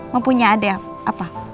mau punya adik apa